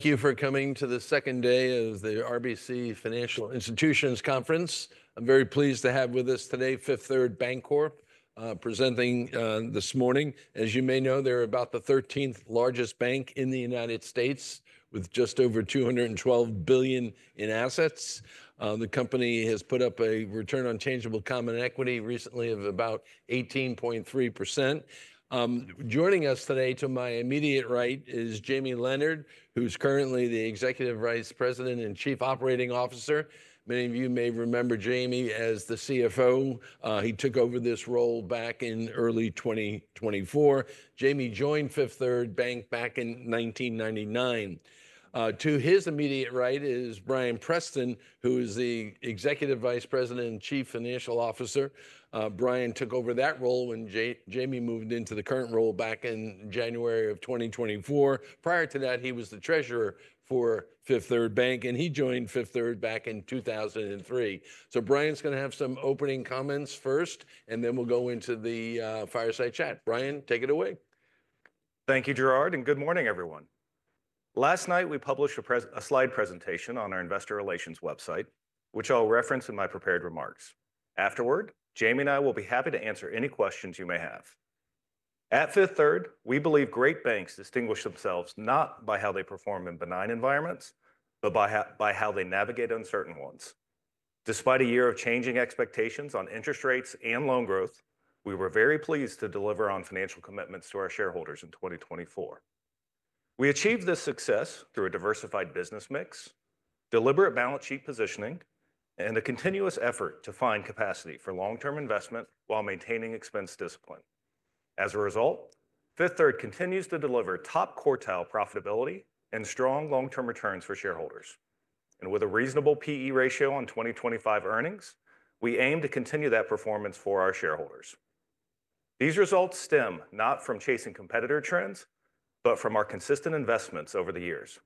Thank you for coming to the second day of the RBC Financial Institutions Conference. I'm very pleased to have with us today Fifth Third Bancorp presenting this morning. As you may know, they're about the 13th largest bank in the United States, with just over $212 billion in assets. The company has put up a return on tangible common equity recently of about 18.3%. Joining us today to my immediate right is Jamie Leonard, who's currently the Executive Vice President and Chief Operating Officer. Many of you may remember Jamie as the CFO. He took over this role back in early 2024. Jamie joined Fifth Third Bank back in 1999. To his immediate right is Bryan Preston, who is the Executive Vice President and Chief Financial Officer. Bryan took over that role when Jamie moved into the current role back in January of 2024. Prior to that, he was the treasurer for Fifth Third Bank, and he joined Fifth Third back in 2003. So Bryan's going to have some opening comments first, and then we'll go into the fireside chat. Bryan, take it away. Thank you, Gerard, and good morning, everyone. Last night, we published a slide presentation on our investor relations website, which I'll reference in my prepared remarks. Afterward, Jamie and I will be happy to answer any questions you may have. At Fifth Third, we believe great banks distinguish themselves not by how they perform in benign environments, but by how they navigate uncertain ones. Despite a year of changing expectations on interest rates and loan growth, we were very pleased to deliver on financial commitments to our shareholders in 2024. We achieved this success through a diversified business mix, deliberate balance sheet positioning, and a continuous effort to find capacity for long-term investment while maintaining expense discipline. As a result, Fifth Third continues to deliver top quartile profitability and strong long-term returns for shareholders. With a reasonable P/E ratio on 2025 earnings, we aim to continue that performance for our shareholders. These results stem not from chasing competitor trends, but from our consistent investments over the years.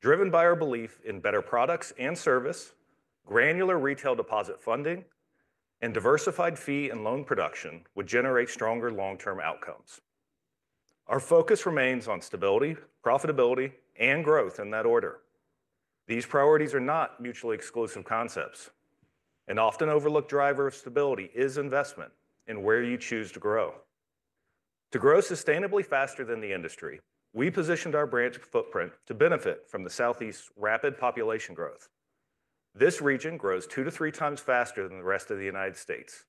Driven by our belief in better products and service, granular retail deposit funding, and diversified fee and loan production would generate stronger long-term outcomes. Our focus remains on stability, profitability, and growth in that order. These priorities are not mutually exclusive concepts. An often overlooked driver of stability is investment in where you choose to grow. To grow sustainably faster than the industry, we positioned our branch footprint to benefit from the Southeast's rapid population growth. This region grows two to three times faster than the rest of the United States,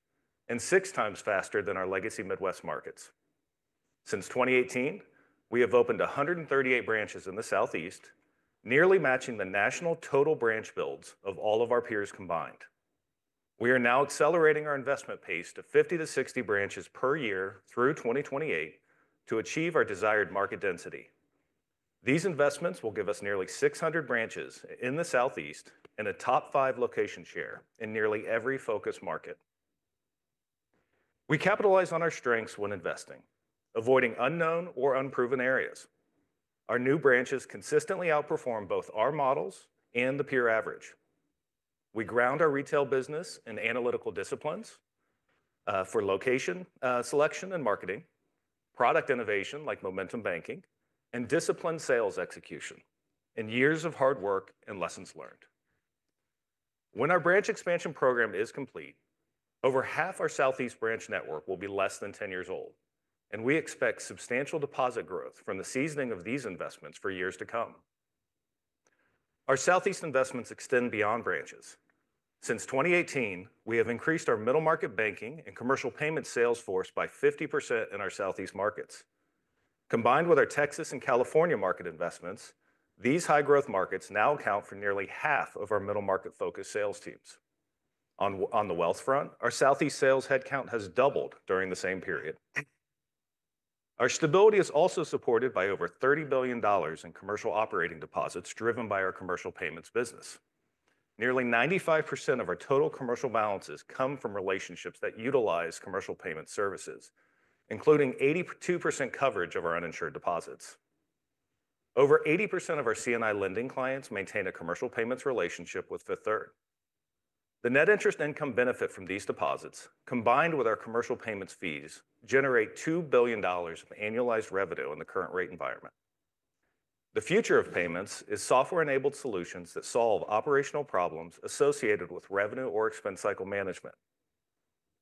and six times faster than our legacy Midwest markets. Since 2018, we have opened 138 branches in the Southeast, nearly matching the national total branch builds of all of our peers combined. We are now accelerating our investment pace to 50-60 branches per year through 2028 to achieve our desired market density. These investments will give us nearly 600 branches in the Southeast and a top five location share in nearly every focus market. We capitalize on our strengths when investing, avoiding unknown or unproven areas. Our new branches consistently outperform both our models and the peer average. We ground our retail business in analytical disciplines for location selection and marketing, product innovation like Momentum Banking, and disciplined sales execution in years of hard work and lessons learned. When our branch expansion program is complete, over half our Southeast branch network will be less than 10 years old, and we expect substantial deposit growth from the seasoning of these investments for years to come. Our Southeast investments extend beyond branches. Since 2018, we have increased our middle market banking and commercial payment sales force by 50% in our Southeast markets. Combined with our Texas and California market investments, these high-growth markets now account for nearly half of our middle market-focused sales teams. On the wealth front, our Southeast sales headcount has doubled during the same period. Our stability is also supported by over $30 billion in commercial operating deposits driven by our commercial payments business. Nearly 95% of our total commercial balances come from relationships that utilize commercial payment services, including 82% coverage of our uninsured deposits. Over 80% of our C&I lending clients maintain a commercial payments relationship with Fifth Third. The net interest income benefit from these deposits, combined with our commercial payments fees, generate $2 billion of annualized revenue in the current rate environment. The future of payments is software-enabled solutions that solve operational problems associated with revenue or expense cycle management.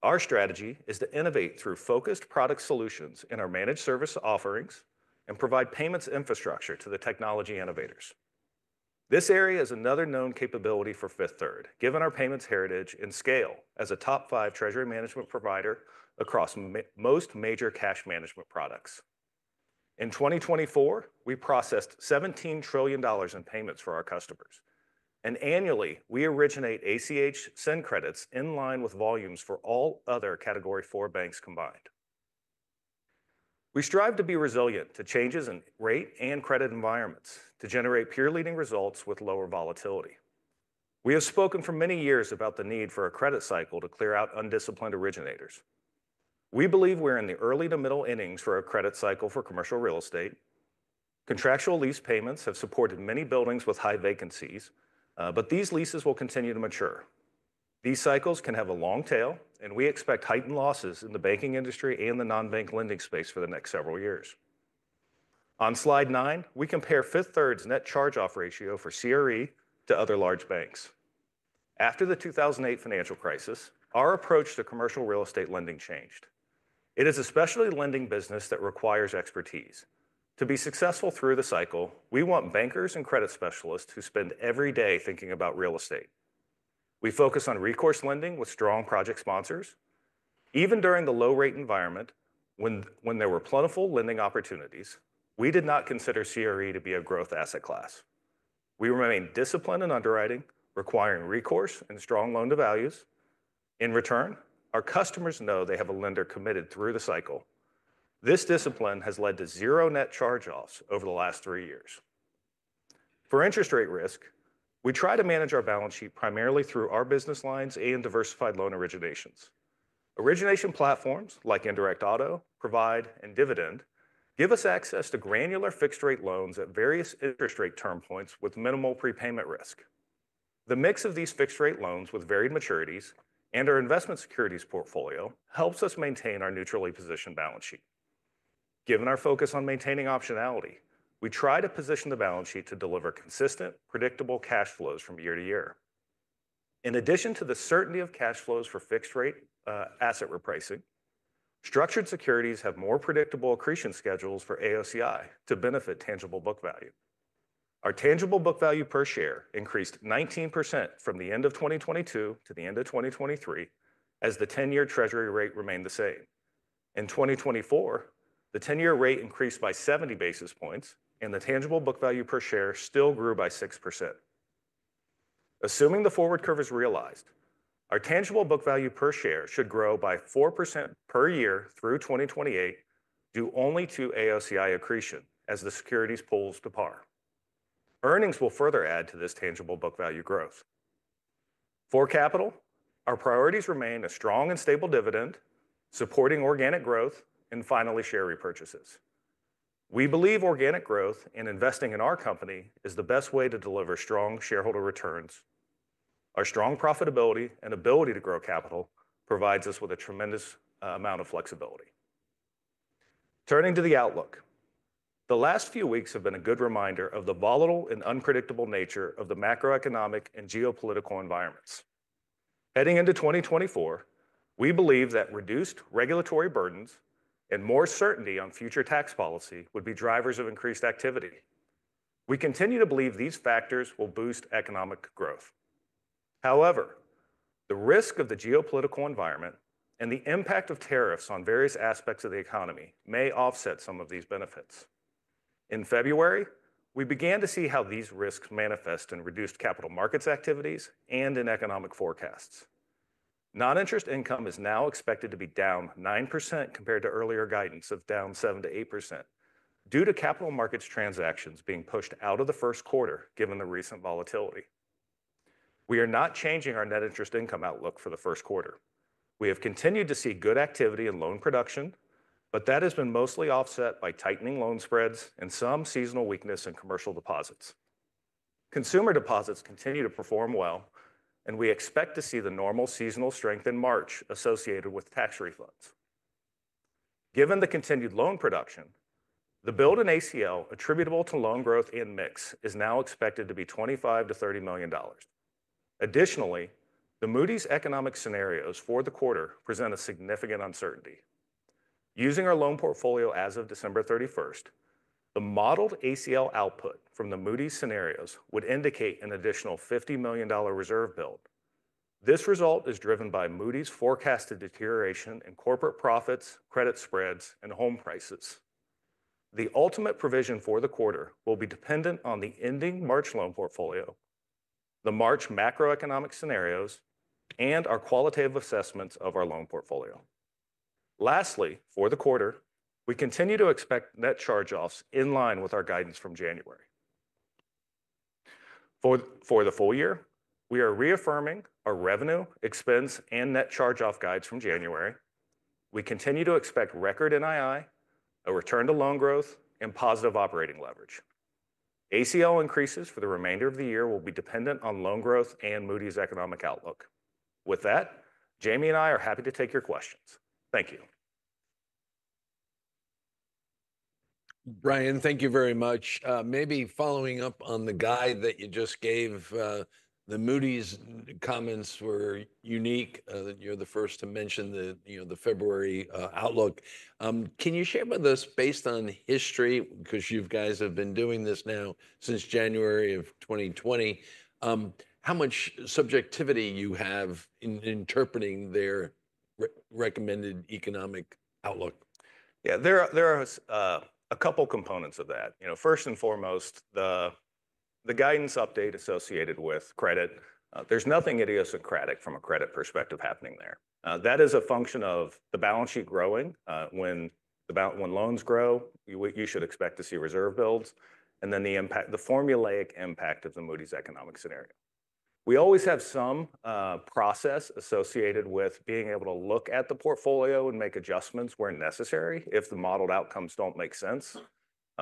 Our strategy is to innovate through focused product solutions in our managed service offerings and provide payments infrastructure to the technology innovators. This area is another known capability for Fifth Third, given our payments heritage and scale as a top five treasury management provider across most major cash management products. In 2024, we processed $17 trillion in payments for our customers, and annually, we originate ACH send credits in line with volumes for all other Category IV banks combined. We strive to be resilient to changes in rate and credit environments to generate peer-leading results with lower volatility. We have spoken for many years about the need for a credit cycle to clear out undisciplined originators. We believe we're in the early to middle innings for a credit cycle for commercial real estate. Contractual lease payments have supported many buildings with high vacancies, but these leases will continue to mature. These cycles can have a long tail, and we expect heightened losses in the banking industry and the non-bank lending space for the next several years. On slide nine, we compare Fifth Third's net charge-off ratio for CRE to other large banks. After the 2008 financial crisis, our approach to commercial real estate lending changed. It is especially lending business that requires expertise. To be successful through the cycle, we want bankers and credit specialists who spend every day thinking about real estate. We focus on recourse lending with strong project sponsors. Even during the low-rate environment, when there were plentiful lending opportunities, we did not consider CRE to be a growth asset class. We remain disciplined in underwriting, requiring recourse and strong loan-to-values. In return, our customers know they have a lender committed through the cycle. This discipline has led to zero net charge-offs over the last three years. For interest rate risk, we try to manage our balance sheet primarily through our business lines and diversified loan originations. Origination platforms like Indirect Auto, Provide, and Dividend give us access to granular fixed-rate loans at various interest rate term points with minimal prepayment risk. The mix of these fixed-rate loans with varied maturities and our investment securities portfolio helps us maintain our neutrally positioned balance sheet. Given our focus on maintaining optionality, we try to position the balance sheet to deliver consistent, predictable cash flows from year to year. In addition to the certainty of cash flows for fixed-rate asset repricing, structured securities have more predictable accretion schedules for AOCI to benefit tangible book value. Our tangible book value per share increased 19% from the end of 2022 to the end of 2023 as the 10-year Treasury rate remained the same. In 2024, the 10-year Treasury rate increased by 70 basis points, and the tangible book value per share still grew by 6%. Assuming the forward curve is realized, our tangible book value per share should grow by 4% per year through 2028 due only to AOCI accretion as the securities pulls to par. Earnings will further add to this tangible book value growth. For capital, our priorities remain a strong and stable dividend, supporting organic growth, and finally, share repurchases. We believe organic growth and investing in our company is the best way to deliver strong shareholder returns. Our strong profitability and ability to grow capital provides us with a tremendous amount of flexibility. Turning to the outlook, the last few weeks have been a good reminder of the volatile and unpredictable nature of the macroeconomic and geopolitical environments. Heading into 2024, we believe that reduced regulatory burdens and more certainty on future tax policy would be drivers of increased activity. We continue to believe these factors will boost economic growth. However, the risk of the geopolitical environment and the impact of tariffs on various aspects of the economy may offset some of these benefits. In February, we began to see how these risks manifest in reduced capital markets activities and in economic forecasts. Non-interest income is now expected to be down 9% compared to earlier guidance of down 7%-8% due to capital markets transactions being pushed out of the first quarter given the recent volatility. We are not changing our net interest income outlook for the first quarter. We have continued to see good activity in loan production, but that has been mostly offset by tightening loan spreads and some seasonal weakness in commercial deposits. Consumer deposits continue to perform well, and we expect to see the normal seasonal strength in March associated with tax refunds. Given the continued loan production, the build in ACL attributable to loan growth and mix is now expected to be $25-$30 million. Additionally, the Moody's economic scenarios for the quarter present a significant uncertainty. Using our loan portfolio as of December 31st, the modeled ACL output from the Moody's scenarios would indicate an additional $50 million reserve build. This result is driven by Moody's forecasted deterioration in corporate profits, credit spreads, and home prices. The ultimate provision for the quarter will be dependent on the ending March loan portfolio, the March macroeconomic scenarios, and our qualitative assessments of our loan portfolio. Lastly, for the quarter, we continue to expect net charge-offs in line with our guidance from January. For the full year, we are reaffirming our revenue, expense, and net charge-off guides from January. We continue to expect record NII, a return to loan growth, and positive operating leverage. ACL increases for the remainder of the year will be dependent on loan growth and Moody's economic outlook. With that, Jamie and I are happy to take your questions. Thank you. Bryan, thank you very much. Maybe following up on the guide that you just gave, the Moody's comments were unique. You're the first to mention the February outlook. Can you share with us, based on history, because you guys have been doing this now since January of 2020, how much subjectivity you have in interpreting their recommended economic outlook? Yeah, there are a couple of components of that. First and foremost, the guidance update associated with credit, there's nothing idiosyncratic from a credit perspective happening there. That is a function of the balance sheet growing. When loans grow, you should expect to see reserve builds and then the formulaic impact of the Moody's economic scenario. We always have some process associated with being able to look at the portfolio and make adjustments where necessary if the modeled outcomes don't make sense.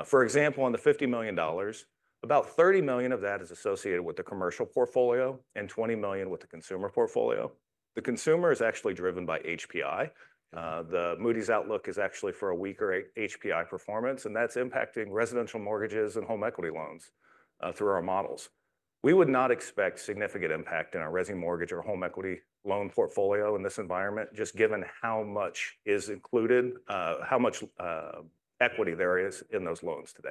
For example, on the $50 million, about $30 million of that is associated with the commercial portfolio and $20 million with the consumer portfolio. The consumer is actually driven by HPI. The Moody's outlook is actually for a weaker HPI performance, and that's impacting residential mortgages and home equity loans through our models. We would not expect significant impact in our residential mortgage or home equity loan portfolio in this environment, just given how much is included, how much equity there is in those loans today.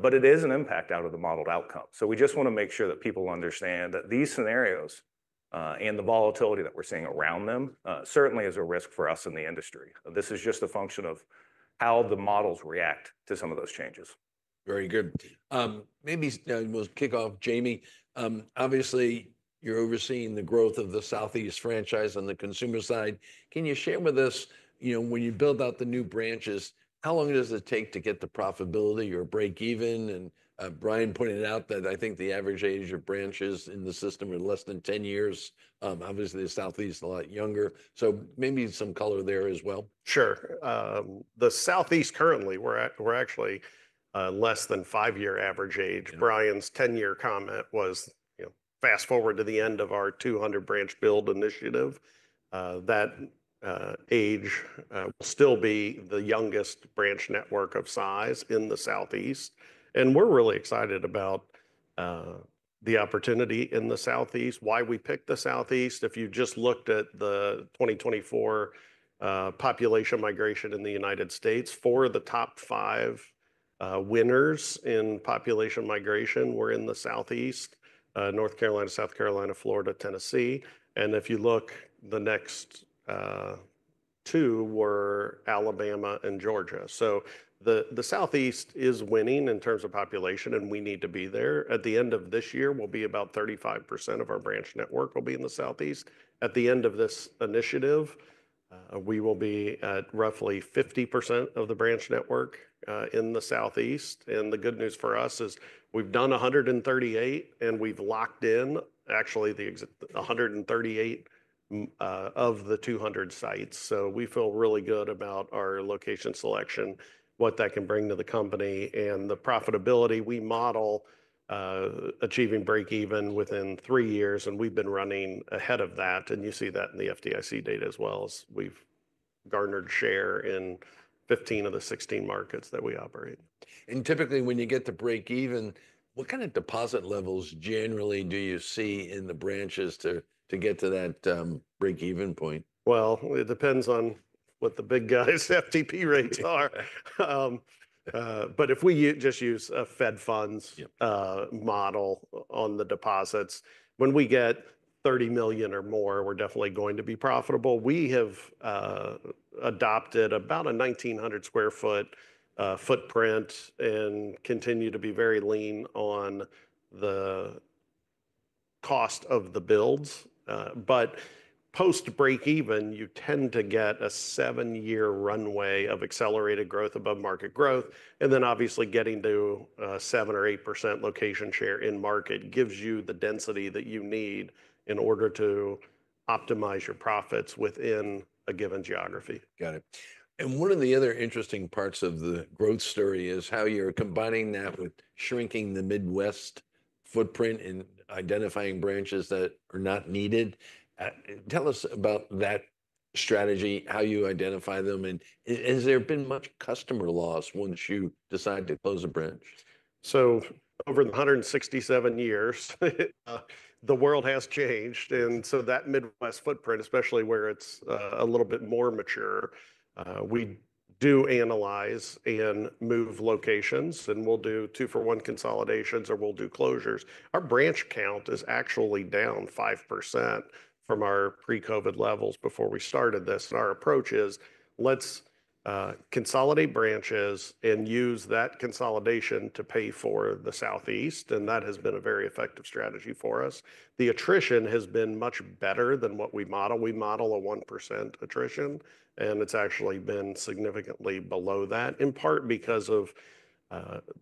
But it is an impact out of the modeled outcome. So we just want to make sure that people understand that these scenarios and the volatility that we're seeing around them certainly is a risk for us in the industry. This is just a function of how the models react to some of those changes. Very good. Maybe we'll kick off, Jamie. Obviously, you're overseeing the growth of the Southeast franchise on the consumer side. Can you share with us, when you build out the new branches, how long does it take to get the profitability or break even? And Bryan pointed out that I think the average age of branches in the system is less than 10 years. Obviously, the Southeast is a lot younger. So maybe some color there as well. Sure. The Southeast currently, we're actually less than five-year average age. Bryan's 10-year comment was, fast forward to the end of our 200-branch build initiative, that age will still be the youngest branch network of size in the Southeast. And we're really excited about the opportunity in the Southeast, why we picked the Southeast. If you just looked at the 2024 population migration in the United States, four of the top five winners in population migration were in the Southeast: North Carolina, South Carolina, Florida, Tennessee. And if you look, the next two were Alabama and Georgia. So the Southeast is winning in terms of population, and we need to be there. At the end of this year, we'll be about 35% of our branch network will be in the Southeast. At the end of this initiative, we will be at roughly 50% of the branch network in the Southeast. The good news for us is we've done 138, and we've locked in actually the 138 of the 200 sites. We feel really good about our location selection, what that can bring to the company, and the profitability. We model achieving break even within three years, and we've been running ahead of that. You see that in the FDIC data as well as we've garnered share in 15 of the 16 markets that we operate. Typically, when you get to break even, what kind of deposit levels generally do you see in the branches to get to that break-even point? It depends on what the big guy's FTP rates are, but if we just use a Fed funds model on the deposits, when we get $30 million or more, we're definitely going to be profitable. We have adopted about a 1,900 sq ft footprint and continue to be very lean on the cost of the builds, but post-break even, you tend to get a seven-year runway of accelerated growth above market growth, and then, obviously, getting to 7% or 8% location share in market gives you the density that you need in order to optimize your profits within a given geography. Got it. And one of the other interesting parts of the growth story is how you're combining that with shrinking the Midwest footprint and identifying branches that are not needed. Tell us about that strategy, how you identify them. And has there been much customer loss once you decide to close a branch? Over the 167 years, the world has changed. That Midwest footprint, especially where it's a little bit more mature, we do analyze and move locations, and we'll do two-for-one consolidations or we'll do closures. Our branch count is actually down 5% from our pre-COVID levels before we started this. Our approach is let's consolidate branches and use that consolidation to pay for the Southeast. That has been a very effective strategy for us. The attrition has been much better than what we model. We model a 1% attrition, and it's actually been significantly below that, in part because of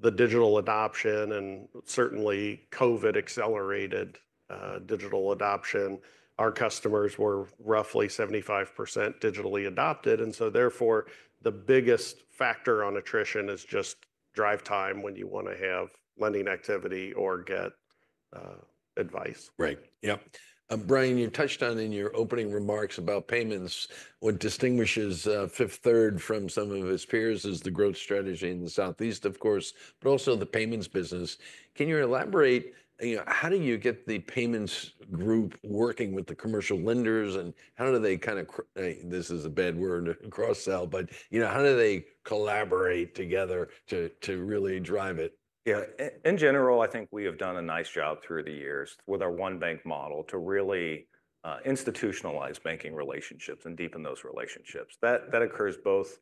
the digital adoption and certainly COVID-accelerated digital adoption. Our customers were roughly 75% digitally adopted. Therefore, the biggest factor on attrition is just drive time when you want to have lending activity or get advice. Right. Yep. Bryan, you touched on in your opening remarks about payments. What distinguishes Fifth Third from some of its peers is the growth strategy in the Southeast, of course, but also the payments business. Can you elaborate? How do you get the payments group working with the commercial lenders? And how do they kind of - this is a bad word, cross-sell - but how do they collaborate together to really drive it? Yeah. In general, I think we have done a nice job through the years with our one-bank model to really institutionalize banking relationships and deepen those relationships. That occurs both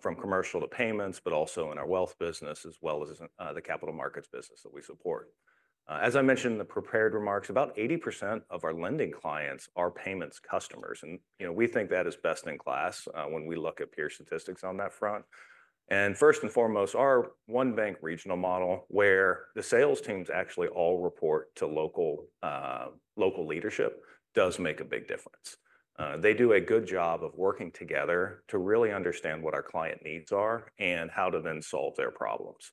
from commercial to payments, but also in our wealth business, as well as the capital markets business that we support. As I mentioned in the prepared remarks, about 80% of our lending clients are payments customers. And we think that is best in class when we look at peer statistics on that front. And first and foremost, our one-bank regional model, where the sales teams actually all report to local leadership, does make a big difference. They do a good job of working together to really understand what our client needs are and how to then solve their problems.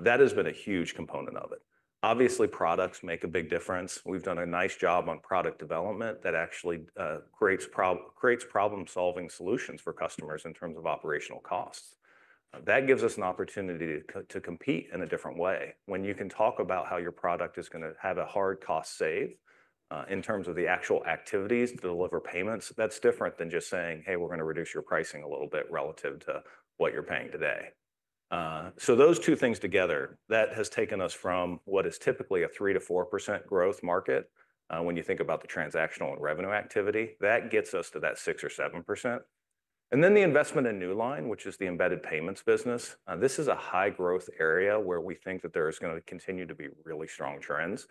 That has been a huge component of it. Obviously, products make a big difference. We've done a nice job on product development that actually creates problem-solving solutions for customers in terms of operational costs. That gives us an opportunity to compete in a different way. When you can talk about how your product is going to have a hard cost save in terms of the actual activities to deliver payments, that's different than just saying, "Hey, we're going to reduce your pricing a little bit relative to what you're paying today." So those two things together, that has taken us from what is typically a 3%-4% growth market when you think about the transactional and revenue activity. That gets us to that 6% or 7%. And then the investment in Newline, which is the embedded payments business. This is a high-growth area where we think that there is going to continue to be really strong trends.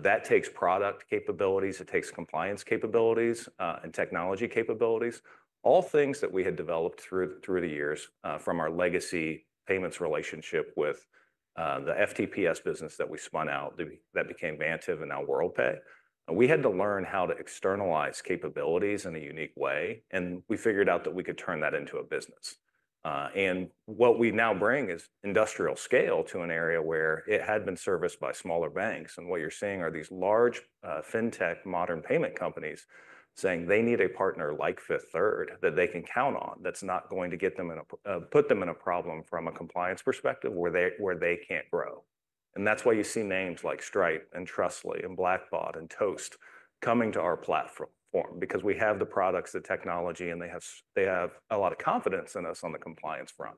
That takes product capabilities. It takes compliance capabilities and technology capabilities, all things that we had developed through the years from our legacy payments relationship with the FTPS business that we spun out that became Vantiv and now Worldpay. We had to learn how to externalize capabilities in a unique way, and we figured out that we could turn that into a business, and what we now bring is industrial scale to an area where it had been serviced by smaller banks, and what you're seeing are these large fintech modern payment companies saying they need a partner like Fifth Third that they can count on that's not going to put them in a problem from a compliance perspective where they can't grow. And that's why you see names like Stripe and Trustly and Blackbaud and Toast coming to our platform, because we have the products, the technology, and they have a lot of confidence in us on the compliance front.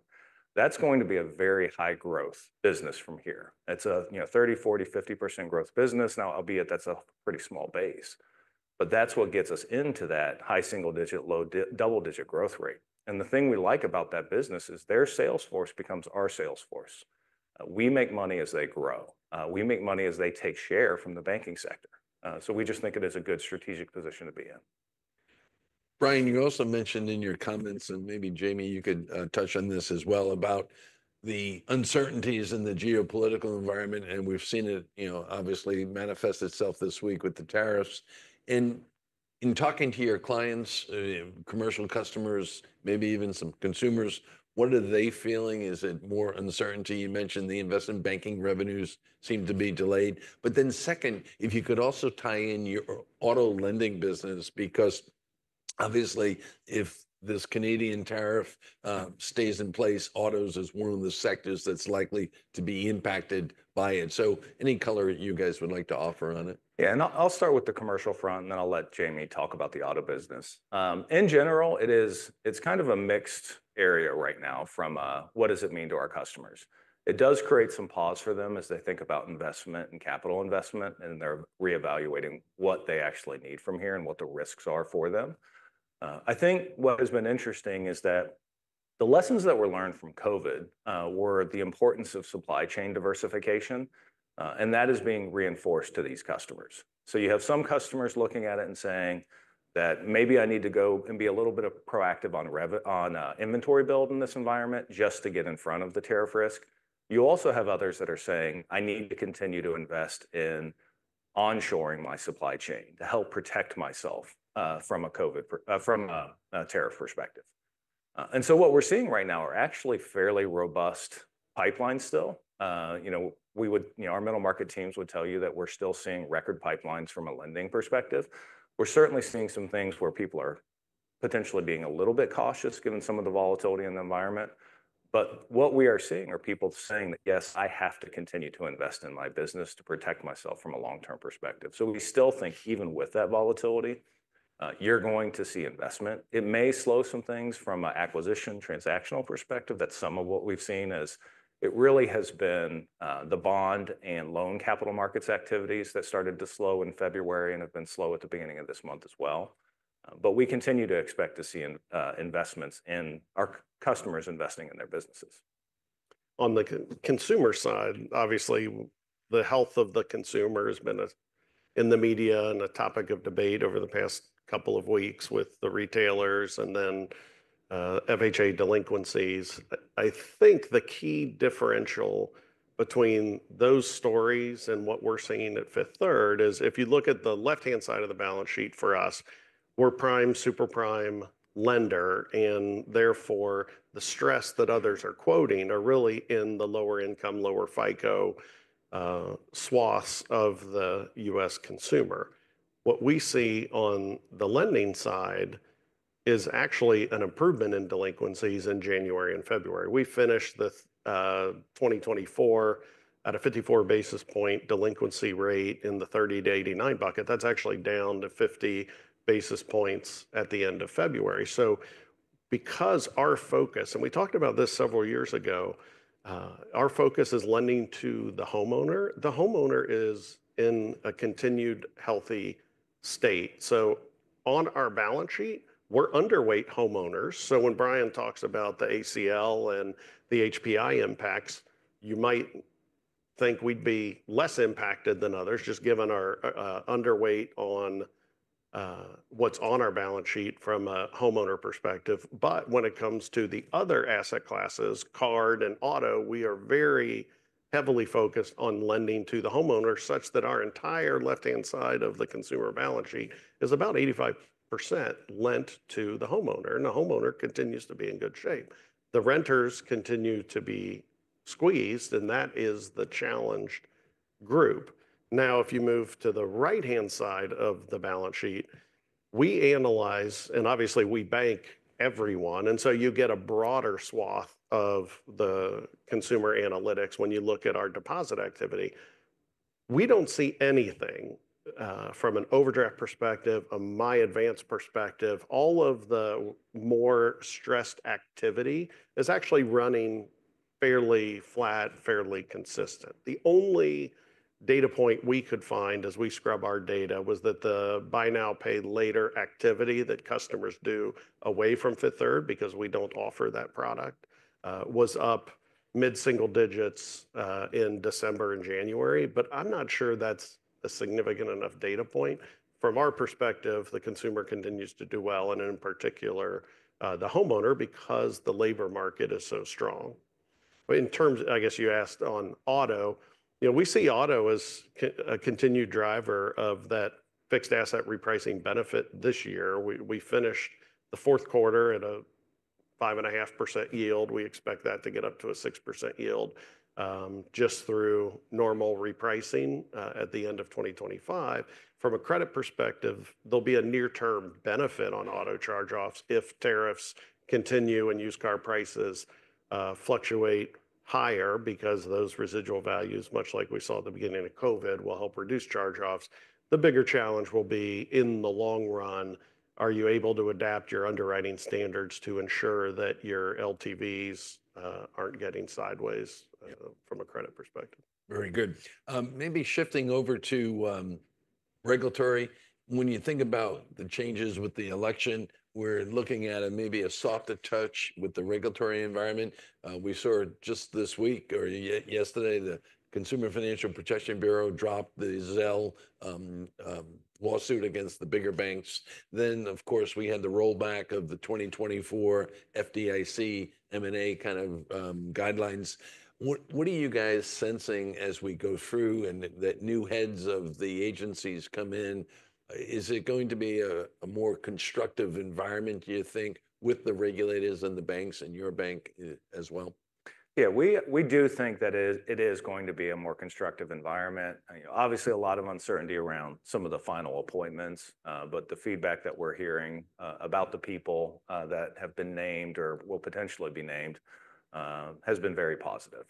That's going to be a very high-growth business from here. It's a 30%, 40%, 50% growth business now, albeit that's a pretty small base. But that's what gets us into that high single-digit, low double-digit growth rate. And the thing we like about that business is their sales force becomes our sales force. We make money as they grow. We make money as they take share from the banking sector. So we just think it is a good strategic position to be in. Bryan, you also mentioned in your comments, and maybe Jamie, you could touch on this as well, about the uncertainties in the geopolitical environment. And we've seen it, obviously, manifest itself this week with the tariffs. And in talking to your clients, commercial customers, maybe even some consumers, what are they feeling? Is it more uncertainty? You mentioned the investment banking revenues seem to be delayed. But then second, if you could also tie in your auto lending business, because obviously, if this Canadian tariff stays in place, autos is one of the sectors that's likely to be impacted by it. So any color you guys would like to offer on it? Yeah. And I'll start with the commercial front, and then I'll let Jamie talk about the auto business. In general, it's kind of a mixed area right now from what does it mean to our customers. It does create some pause for them as they think about investment and capital investment, and they're reevaluating what they actually need from here and what the risks are for them. I think what has been interesting is that the lessons that were learned from COVID were the importance of supply chain diversification, and that is being reinforced to these customers. So you have some customers looking at it and saying that maybe I need to go and be a little bit proactive on inventory build in this environment just to get in front of the tariff risk. You also have others that are saying, "I need to continue to invest in onshoring my supply chain to help protect myself from a tariff perspective." And so what we're seeing right now are actually fairly robust pipelines still. Our middle market teams would tell you that we're still seeing record pipelines from a lending perspective. We're certainly seeing some things where people are potentially being a little bit cautious given some of the volatility in the environment. But what we are seeing are people saying that, "Yes, I have to continue to invest in my business to protect myself from a long-term perspective." So we still think even with that volatility, you're going to see investment. It may slow some things from an acquisition transactional perspective that some of what we've seen is it really has been the bond and loan capital markets activities that started to slow in February and have been slow at the beginning of this month as well. But we continue to expect to see investments in our customers investing in their businesses. On the consumer side, obviously, the health of the consumer has been in the media and a topic of debate over the past couple of weeks with the retailers and then FHA delinquencies. I think the key differential between those stories and what we're seeing at Fifth Third is if you look at the left-hand side of the balance sheet for us, we're prime super prime lender, and therefore, the stress that others are quoting are really in the lower income, lower FICO swaths of the U.S. consumer. What we see on the lending side is actually an improvement in delinquencies in January and February. We finished the 2024 at a 54 basis point delinquency rate in the 30-89 bucket. That's actually down to 50 basis points at the end of February. So because our focus, and we talked about this several years ago, our focus is lending to the homeowner. The homeowner is in a continued healthy state. So on our balance sheet, we're underweight homeowners. So when Bryan talks about the ACL and the HPI impacts, you might think we'd be less impacted than others, just given our underweight on what's on our balance sheet from a homeowner perspective. But when it comes to the other asset classes, card and auto, we are very heavily focused on lending to the homeowner such that our entire left-hand side of the consumer balance sheet is about 85% lent to the homeowner. And the homeowner continues to be in good shape. The renters continue to be squeezed, and that is the challenged group. Now, if you move to the right-hand side of the balance sheet, we analyze, and obviously, we bank everyone, and so you get a broader swath of the consumer analytics when you look at our deposit activity. We don't see anything from an overdraft perspective, a MyAdvance perspective. All of the more stressed activity is actually running fairly flat, fairly consistent. The only data point we could find as we scrub our data was that the buy now, pay later activity that customers do away from Fifth Third, because we don't offer that product, was up mid-single digits in December and January. But I'm not sure that's a significant enough data point. From our perspective, the consumer continues to do well, and in particular, the homeowner, because the labor market is so strong. But in terms of, I guess you asked on auto, we see auto as a continued driver of that fixed asset repricing benefit this year. We finished the fourth quarter at a 5.5% yield. We expect that to get up to a 6% yield just through normal repricing at the end of 2025. From a credit perspective, there'll be a near-term benefit on auto charge-offs if tariffs continue and used car prices fluctuate higher because those residual values, much like we saw at the beginning of COVID, will help reduce charge-offs. The bigger challenge will be in the long run, are you able to adapt your underwriting standards to ensure that your LTVs aren't getting sideways from a credit perspective? Very good. Maybe shifting over to regulatory. When you think about the changes with the election, we're looking at maybe a softer touch with the regulatory environment. We saw just this week or yesterday, the Consumer Financial Protection Bureau dropped the Zelle lawsuit against the bigger banks. Then, of course, we had the rollback of the 2024 FDIC M&A kind of guidelines. What are you guys sensing as we go through and that new heads of the agencies come in? Is it going to be a more constructive environment, do you think, with the regulators and the banks and your bank as well? Yeah, we do think that it is going to be a more constructive environment. Obviously, a lot of uncertainty around some of the final appointments, but the feedback that we're hearing about the people that have been named or will potentially be named has been very positive.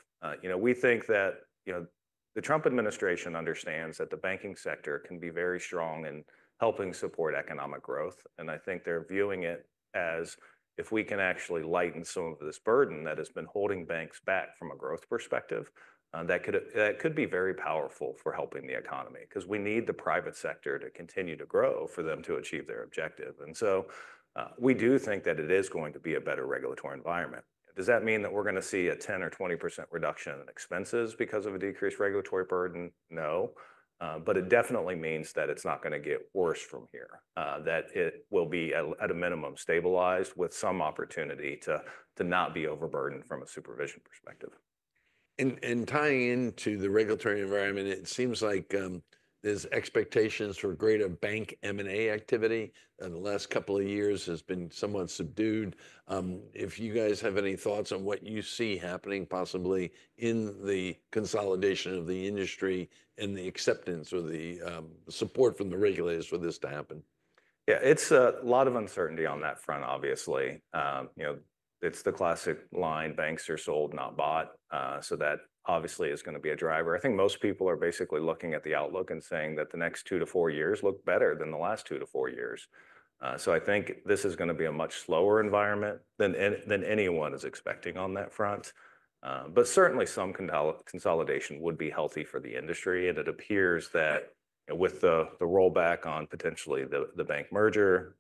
We think that the Trump administration understands that the banking sector can be very strong in helping support economic growth. And I think they're viewing it as if we can actually lighten some of this burden that has been holding banks back from a growth perspective, that could be very powerful for helping the economy because we need the private sector to continue to grow for them to achieve their objective. And so we do think that it is going to be a better regulatory environment. Does that mean that we're going to see a 10% or 20% reduction in expenses because of a decreased regulatory burden? No. But it definitely means that it's not going to get worse from here, that it will be at a minimum stabilized with some opportunity to not be overburdened from a supervision perspective. Tying into the regulatory environment, it seems like there's expectations for greater bank M&A activity. The last couple of years has been somewhat subdued. If you guys have any thoughts on what you see happening possibly in the consolidation of the industry and the acceptance or the support from the regulators for this to happen? Yeah, it's a lot of uncertainty on that front, obviously. It's the classic line, "Banks are sold, not bought." So that obviously is going to be a driver. I think most people are basically looking at the outlook and saying that the next two to four years look better than the last two to four years. So I think this is going to be a much slower environment than anyone is expecting on that front. But certainly, some consolidation would be healthy for the industry. And it appears that with the rollback on potentially the bank merger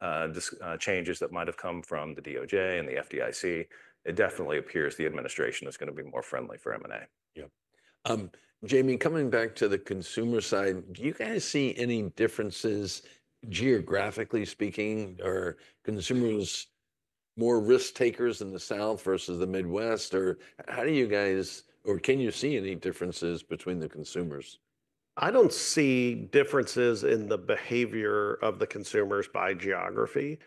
changes that might have come from the DOJ and the FDIC, it definitely appears the administration is going to be more friendly for M&A. Yeah. Jamie, coming back to the consumer side, do you guys see any differences geographically speaking? Are consumers more risk takers in the South versus the Midwest? Or how do you guys—or can you see any differences between the consumers? I don't see differences in the behavior of the consumers by geography.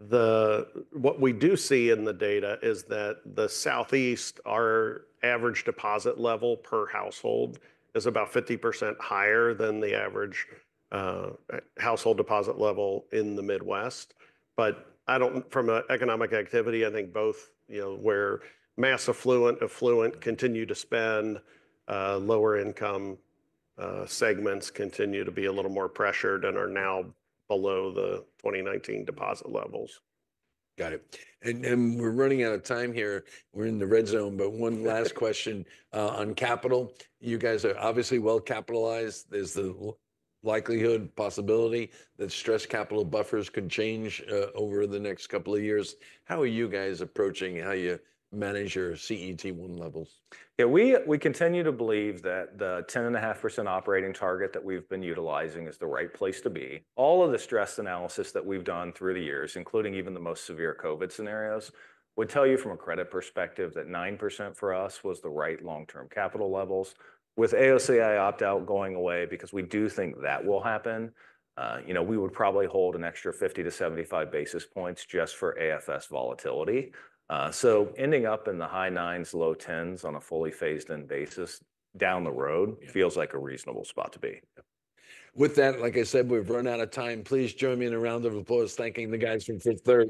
What we do see in the data is that the Southeast, our average deposit level per household is about 50% higher than the average household deposit level in the Midwest. But from an economic activity, I think both where mass affluent, affluent continue to spend, lower income segments continue to be a little more pressured and are now below the 2019 deposit levels. Got it. And we're running out of time here. We're in the red zone. But one last question on capital. You guys are obviously well capitalized. There's the likelihood, possibility that stress capital buffers could change over the next couple of years. How are you guys approaching how you manage your CET1 levels? Yeah, we continue to believe that the 10.5% operating target that we've been utilizing is the right place to be. All of the stress analysis that we've done through the years, including even the most severe COVID scenarios, would tell you from a credit perspective that 9% for us was the right long-term capital levels. With AOCI opt-out going away, because we do think that will happen, we would probably hold an extra 50 to 75 basis points just for AFS volatility. So ending up in the high nines, low tens on a fully phased-in basis down the road feels like a reasonable spot to be. With that, like I said, we've run out of time. Please join me in a round of applause thanking the guys from Fifth Third.